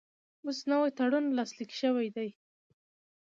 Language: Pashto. اوس نوی تړون لاسلیک شوی دی.